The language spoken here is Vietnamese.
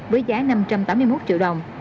với giá năm trăm tám mươi một triệu đồng